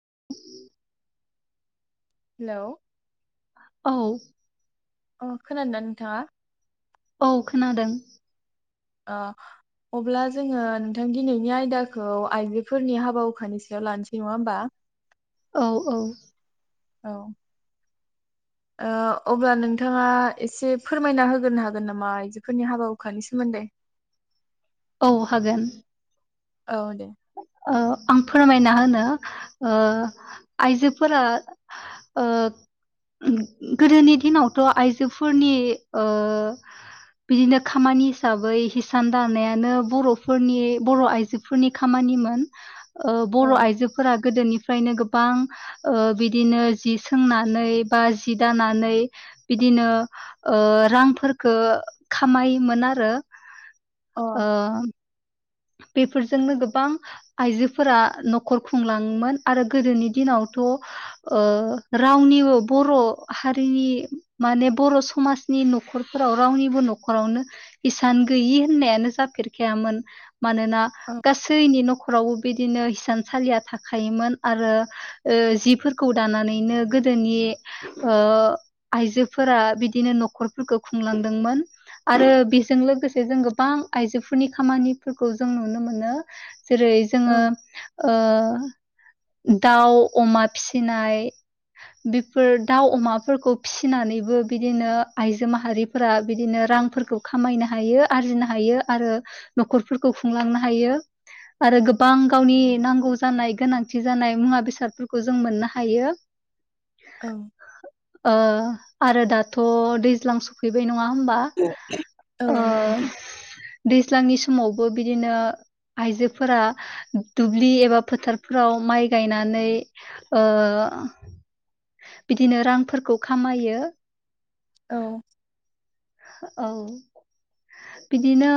[unintelligible] Hello औ अ खोनादना नोंथाङा औ खोनादों ओ अब्ला जोङो नोंथां दिनैनि आयदाखौ आइजोफोरनि हाबा हुखानि सायाव लानोसै नङा होमबा औ औ औ ओ अब्ला नोंथाङा एसे फोरमायना होग्रोनो हागोन नामा आइजोफोरनि हाबा हुखानि सोमोन्दै औ हागोन औ दे ओ आं फोरमायना होनो ओ आइजोफोरा ओ [unintelligible] गोदोनि दिनावथ' आइजोफोरनि ओ बिदिनो खामानि हिसाबै हिसान दानायानो बर'फोरनि बर' आइजोफोरनि खामानिमोन ओ औ बर' आइजोफोरा गोदोनि फ्रायनो गोबां ओ बिदिनो जि सोंनानै बा जि दानानै बिदिनो ओ रांफोरखो खामायोमोन आरो अ ओ बेफोरजोंनो गोबां आइजोफोरा न'खर खुंलाङोमोन आरो गोदोनि दिनावथ' ओ रावनिबो बर' हारिनि माने बर' समाजनि न'खरफोराव रावनिबो न'खरावनो इसान गैयि होननायानो जाफेरखायामोन मानोना गासैनि न'ख फ्रावबो बिदिनो हिसानसालिया थाखोयोमोन आरो ओ जिफोरखौ दानानै इनो गोदोनि ओ आइजोफोरा बिदिनो न'खरफोरखौ खुंलांदोंमोन आरो बेजों लोगोसे जों गोबां आइजोफोरनि खामानि फोरखौ जों नुनो मोनो जेरै जोङो औ ओ दाउ अमा फिसिनाय बेफोर दाउ अमाफोरखौ फिसिनानैबो बिदिनो आइजो माहारिफोरा बिदिनो रांफोरखौ खामायनो हायो आरजिनो हायो आरो न'खर फोरखौ खुंलांनो हायो आरो गोबां गावनि नांगौ जानाय गोनांथि जानाय मुवा बेसादफोरखौ जों मोननो हायो औ ओ आरो दाथ' दैज्लां सफैबाय नङा आमबा औ ओ नंगौ नोंथां दै जोंनि समावबो बिदिनो आइजोफोरा दुब्लि एबा फोथारफोराव माइ गायनानै बिदिनो रांफोरखौ खामायो औ औ बिदिनो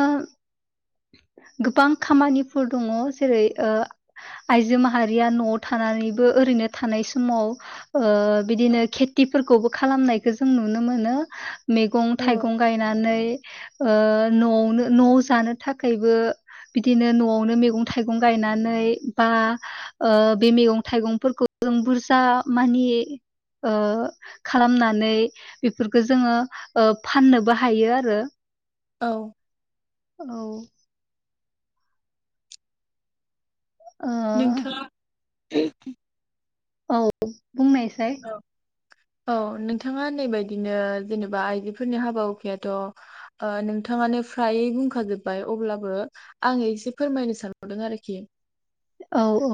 गोबां खामानिफोर दङ जेरै आइजो माहारिया न'आव थानानैबो ओरैनो थानाय समाव ओ बिदिनो खेथिफोरखौबो खालामनायखौ जों नुनो मोनो मैगं औ थाइगं गायनानै ननो न' जानो थाखाय थाखायबो बिदिनो न'आवनो मैगं थाइगं गायनानै बा बे ओ मैगं थाइगंफोरखौ जों बुरजा मानि खालामनानै बेफोरखौो जोङो फाननोबो हायो आरो औ औ अ ए औ बुंनायसाय औ नोंथाङा नै बायदिनो जेनेबा आइजोफोरनि हाबा हुखायाथ' नोंथाङानो फ्रायै बुंखाजोबबाय अब्लाबो आं एसे फोरमायनो सानबावदों आरोखि औ औ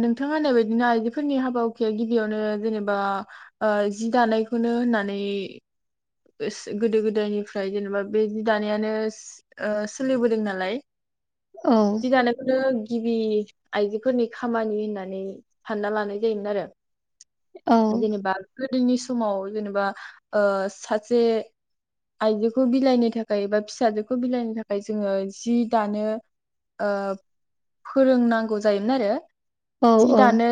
नोंथाङानाय बायदिनो आइजोफोरनि हाबा हुखाया गिबियावनो जेनेबा ओ जि दानायखौनो होननानै गोदो गोदायनिफ्राय जेनेबा बे जि दानायानो सोलिबोदों नालाय औ जिदानायखौनो गिबि आइजोफोरनि खामानि होननानै सानना लानाय जायोमोन आरो औ जेनेबा गोदोनि समाव जेनेबा सासे आइजोखौ बिलाइनो थाखाय एबा फिसाजोखौ बिलाइनो थाखाय जोङो जि दानो फोरोंनांगौ जायोमोन आरो औ जि दानो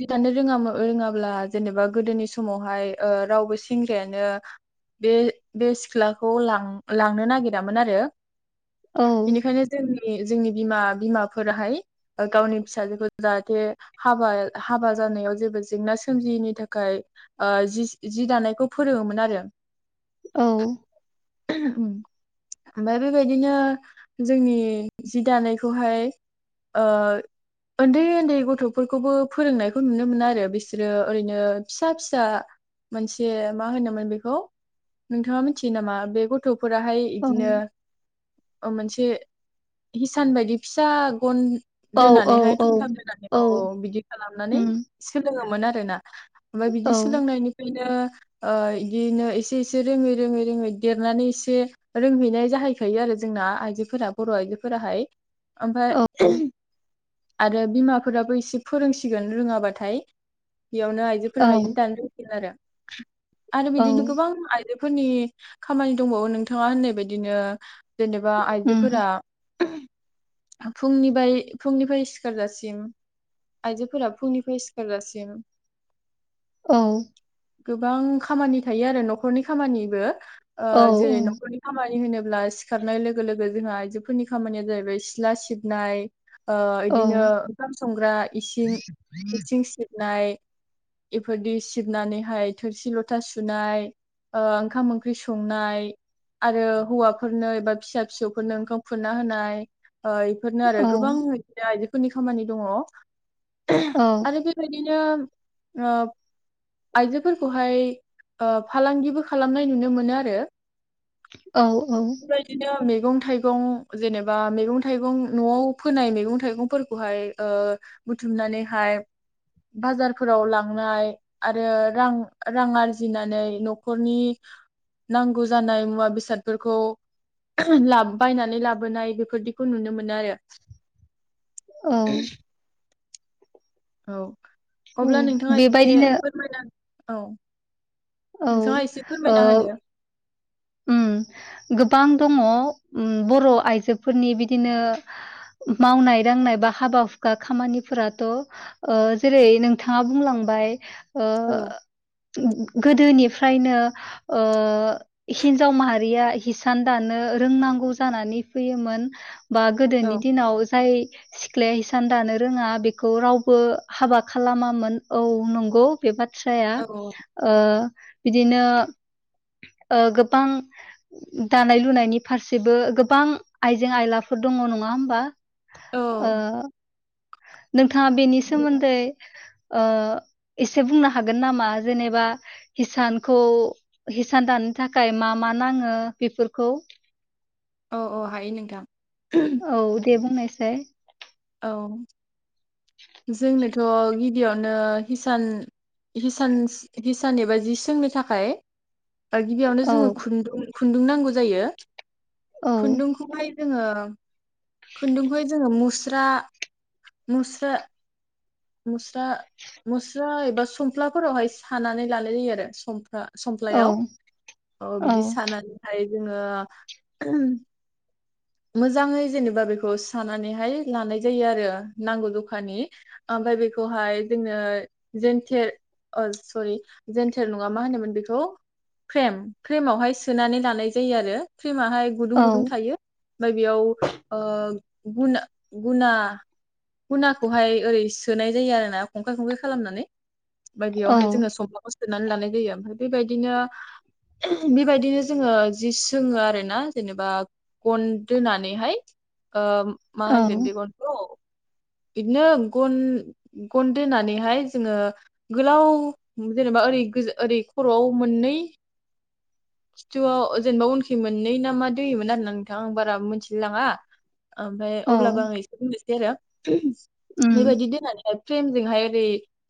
जि दानो रोङ रोङाब्ला जेनेबा गोदोनि समावहाय रावबो सेंग्रायानो बे बे सिख्लाखौ लां लांनो नागिरामोन आरो औ बेनिखाय जोंनि जोंनि बिमा बिमाफोराहाय गावनि फिसाजोखौ जाहाथे हाबा हाबा जानायाव जेबो जेंना सोमजियैनि थाखाय जि जि दानायखौ फोरोङोमोन आरो औ ओमफ्राय बेबायदिनो जोंनि जि दानायखौहाय उन्दै उन्दै गथ'फोरखौबो फोरोंनायखौ नुनो मोन आरो बिसोरो ओरैनो फिसा फिसा मोनसे मा होनोमोन बेखौ नोंथाङा मिथियो नामा बे गथ' फोराहाय इदिनो मोनसे हिसान बायदि फिसा गन औ दोननानैहाय औ थुमथाम दोनानै औ औ बिदि खालामनानै उम सोलोङो मोन आरोना ओमफ्राय औ बिदि सोलोंनायनिफ्रायनो आ इदिनो एसे एसे रोङै रोङै रोङै देरनानै एसे रोंहैनाय जाहैखायो आरो जोंना आइजोफोरा बर' आइजोफोराहाय औ ओमफ्राय आरो बिमाफोराबो एसे फोरोंसिगोन रोङाबाथाय बेयावनो औ आइजोफोरा जि दानो रोंसिगोन आरो [inaudible] आरो औ बिदिनो गोबां फोरनि खामानि दंबावो नोंथाङा होननाय बायदिनो जेनेबा उम आइजोफोरा फुंनि फुंनिफ्राय सिखारजासिम आइजोफोरा फुंनिफ्राय सिखारजासिम औ गोबां खामानि थायो आरो न'खर न'खरनि खामानिबो ओ औ जेरै न'खरनि खामानि होनो ब्ला सिखारनाय लोगो लोगो जोंहा आइजोफोरनि खामानिया जाहैबाय सिथला सिबनाय ओ औ इदिनो ओंखाम संग्रा इसिं इंसिं सिब नाय बेफोरदि सिबनानैहाय थोरसि लथा सुनाय ओ ओंखाम ओंख्रि संनाय आरो हौवाफोरनो एबा फिसा फिसौफोरनो ओंखाम खुरना होनाय। ओ इफोरनो आरो गोबां बिदिनो आयजो फोरनि खामानि दङ। आरो बेबायदिनो नो ओ आइजोफोरखौहाय ओ फालांगिबो खालामनाय नुनो मोनो आरो औ औ बेबायदिनो मैगं थाइगं जेनेबा मैगं थाइगं न'आव फोनाय मैगं थाइगंफोरखौहाय ओ बुथुमनानैहाय बाजारफोराव लांनाय आरो रां रां आरजिनानै न'खरनि नांगौ जानाय मुवा बेसादफोरखौ बायनानै लाबोनाय बेफोरदिखौ नुनो मोनो आरो औ औ अब्ला नोंथाङा एसे बेबायदिनो फोरमायना औ औ नोंथाङा एसे ओ फोरमायना होदो उम गोबां दङ उम बर' आइजोफोरनि बिदिनो मावनाय दांनाय बा हाबा हुखा खामानिफोराथ' ओ जेरै नोंथाङा बुंलांबाय ओ औ [inaudible] गोदोनिफ्रायनो ओ हिन्जाव माहारिया हिसान दानो रोंनांगौ जानानै फैयोमोन बा गोदोनि औ दिनाव जाय सिख्लाया हिसान दानो रोङा बेखौ रावबो हाबा खालामामोन औ नंगौ बेबा औ ओ बिदिनो ओ गोबां दानाय लुनायनि फारसेबो गोबां आइजें आयलाफोर दङ नङा होमबा? औ ओ नोंथाङा बेनि सोमोन्दै ओ एसे बुंनो हागोन नामा जेनेबा हिसानखौ हिसान दानो थाखाय मा मा नाङो बेफोरखौ औ औ हायो नोंथां। औ दे बुंनाय साय औ जोंनोथ' गिबियावनो हिसान हिसान हिसान एबा जि सोंनो थाखाय ओ गिबियावनो औ जोङो खुन्दुं खुन्दुं नांगौ जायो। औ खुन्दुंखौहाय जोङो खुन्दुंखौहाय जोङो मुस मुस्रा मुस्रा मुस्रा मुस्रा एबा सुमफ्लाफोरावहाय सानानै लानाय जायो आरो सुमफ्रा औ संफ्लायाव अ औ बिदि सानानैहाय जोङो [inaudible] मोजाङै जेनेबा बेखौ सानानैहाय लानाय जायो आरो नांगौ जखानि ओमफ्राय बेखौहाय जोंनो जेन्थेर सरि जेेनथेर नङा मा होनोमोन बेखौ फ्रेम फ्रेमावहाय सोनानै लानाय जायो आरो। फेमाहाय गुदुं औ गुदुं थायो। ओमफफ्राय बेयाव गु गुना गुनाखौहाय ओरै सोनाय जायो आरोना खंखाय खंखाय खालामनानै। बा औ बेयावहाय जोङो समाव सोननानै लानाय जायो ओमफ्राय बेबायदिनो बेबायदिनो जोङो जि सोङो आरो ना जेनेबा गन दोननानैहाय। ओ मा औ होनगोन बे गनखौ बिदिनो गन गन दोननानैहाय जोङो गोलाव जेनेबा ओरै ओरै खर'आव मोननै खिथुआव जेनेबा उनखै मोननै ना मा दोयोमोन आरोना नोंथां आं बारा मिथिलाय लाङा। ओमफ्राय औ अब्लाबो आं एसे बुंनोसै। देर उम बेबादि फ्रेमजोंहाय ओरै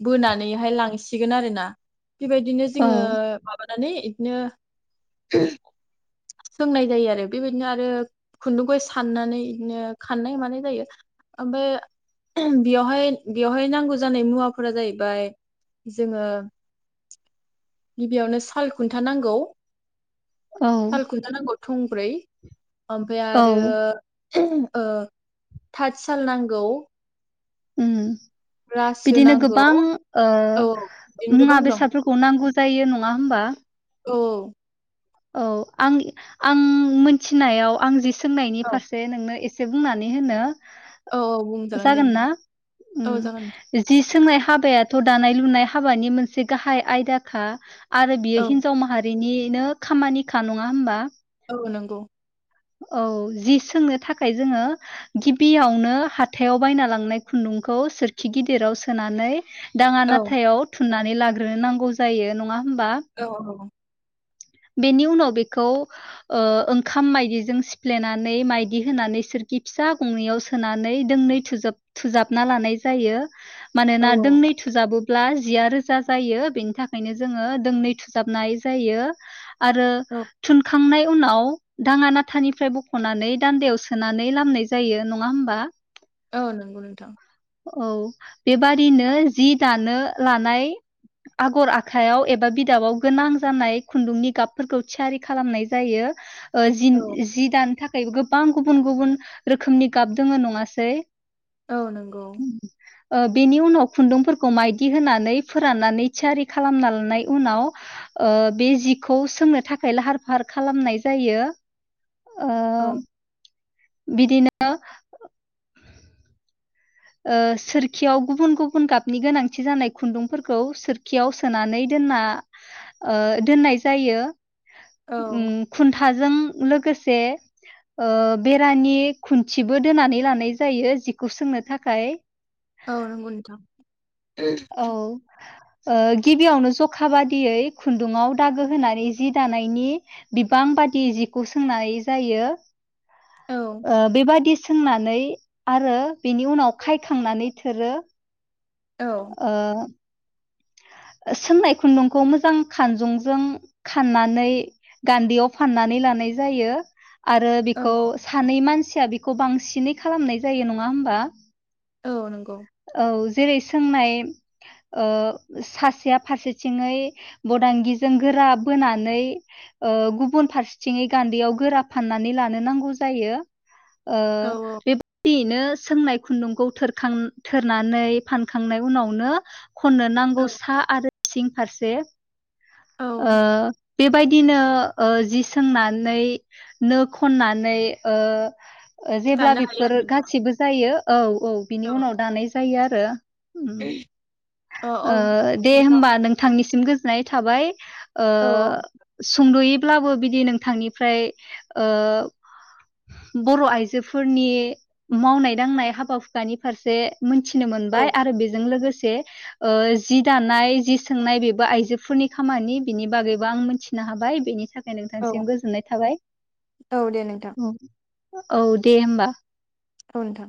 बोनानैहाय लांसिगोन आरो ना। बेबायदिनो औ जोङो नानै बिदिनो सोंनाय जायो आरो बेबायदिनो आरो खुन्दुंखौै साननानै बिदिनो खाननाय मानाय जायो। ओमफ्राय बेयावहाय बेवहाय नांगौ जानाय मुवाफोरा जाहैबाय जोङो गिबियावनो साल खुन्था नांगौ। औ साल खुन्था नांगौ। थंब्रै। ओमफ्राय औ आरो ओ था साल नांगौ। उम रासो बिदिनो नांगौ गोबां ओ औ बिदिनो गोबां मुवा दं बेसादफोरखौ नांगौ जायो नङा होमबा? औ औ। औ आं आं मिथिनायाव आं जि सोंनायनि औ फारसे नोंनो ए से बुंनानै होनो औ औ बुंजागोन दे जागोन नोंथां ना औ जागोन नोंथां। उम जि सोंनाय हाबायाथ' दानाय लुनाय हाबानि मोनसे गाहाय आयदाखा। आरो बियो औ हिनजाव माहारिनि बिनो खामानिखा नङा होमबा? औ नंगौ। औ जि सोंनो थाखाय जोङो गिबियावनो हाथायाव बायना लांनाय खुन्दुंखौ सोरखि गिदिराव सोनानै दाङा औ नाथायाव थु ननानै लाग्रोनो नांगौ जायो नङा होमबा औ औ। बेनि उनाव बेखौ ओ ओंखाम माइदिजों सिफ्लेनानै माइदि होनानै सोरखि फिसा गंनैयाव सोनानै दोंनै थुजोब थुजाबना लानाय जायो। औ मानोना औ दोंनै थुजाबो ब्ला जिया रोजा जायो बेनि थाखायनो जोङो दोंनै थुजाबनाय जायो। [inaudible] आरो औ थुनखांनाय उनाव दाङा नाथानिफ्राय बख'नानै दान्दायाव सोनानै लामनाय जायो नङा होमबा? औ नंगौ नोंथां। औ बेबादिनो जि दानो लानाय आगर आखाइयाव एबा बिदाबाव गोनां जानाय खुन्दुंनि गाबफोरखौ थियारि खालामनाय जायो। ओ जिन औ जि दानो था खायबो गोबां गुबुन गुबुन रोखोमनि गाब दोङो नङासै? औ नंगौ। ओ बेनि उनाव खुन्दुंफोरखौ माइदि होनानै फोराननानै थियारि खालामना लानाय उनाव ओ बे जिखौ सोंनो थाखाय लाहार फाहार खालामनाय जायो। ओ औ बिदिनो ओ सोरखियाव गुबुन गुबुन गाबनि गोनांथि जानाय खुन्दुंफोरखौ सोरखियाव सोनानै दोनना ओ दोननाय जायो। औ उम खुन्था जों लोगोसे ओ बेरानि खुन्थिबो दोनानै लानाय जायो जिखौ सोंनो था खाय। औ नंगौ नोंथां। औ। ओ गिबियावनो जखा बादियै खुन्दुङाव दागो होनानै जि दानायनि बिबां बादि जिखौ सोंनाय जायो। औ ओ बेबायदि सोंनानै आरो बेनि उनाव खायखांनानै थोरो औ ओ सोंनाय खुन्दुंखौ मोजां खानजंजों खाननानै गान्दैयाव फाननानै लानाय जायो। आरो औ बिखौ सानै मानसिया बांसिनै खालामनाय जायो नङा होमबा औ नंगौ औ जेरै सोंनाय सासेया फारसेथिङै बदांगिजों गोरा बोनानै गुबुन फारसेथिङै गान्दैयाव गोरा फाननानै लानो नांगौ जायो। ओ औ बिबदि नो सोंनाय खुन्दुंखौ थोरखां थोरनानै फानखांनाय उनावनो खननो नां औ गौसा आरो सिं फारसे औ ओ बेबायदिनो जि सोंनानै नो खननानै जेब्ला दानो हायो बेफोर आरो नोंथां गासिबो जायो औ औ बिनि उनाव दानाय जायो आरो ओ उम औ औ ओ दे नोंथां होमबा नोंथांनि सिम गोजोननाय थाबाय ओ औ सुंद'यै अब्लाबो बिदि नोंथांनिफ्राय बर' आइजोफोरनि मावनाय दांनाय हाबा हुखानि फारसे मोनथिनो औ मोनबाय आरो बेजों लोगोसे से ओ जि दानाय जि सोंनाय बेबो आइजोफोरनि खामानि बिनि बागैबो आं मिथिनो हाबाय बेनि थाखाय फ्राय औ नोंथांसिम गोजोननाय थाबाय औ दे नोंथां औ दे हबा औ नोंथां